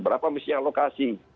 berapa misi alokasi